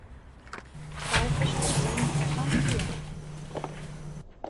Varför skulle inte han leva?